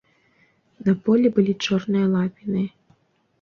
На полі былі чорныя лапіны.